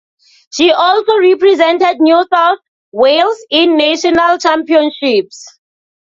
She also represented New South Wales in National Championships.